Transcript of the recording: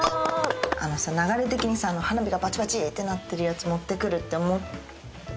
流れ的に花火がバチバチってなってるやつ持って来るって思った？